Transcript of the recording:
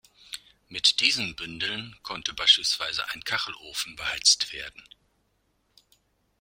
Mit diesen Bündeln konnte beispielsweise ein Kachelofen beheizt werden.